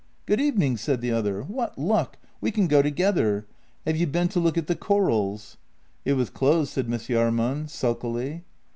" Good evening," said the other. " What luck! We can go together. Have you been to look at the corals ?" JENNY 19 " It was closed," said Miss Jahrman sulkily.